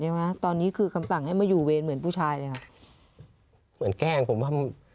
วะตอนนี้คือคำสั่งให้มาอยู่เวรเหมือนผู้ชายเลยค่ะเหมือนแกล้งผมว่า